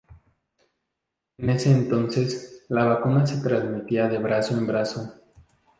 En ese entonces, la vacuna se transmitía de brazo en brazo.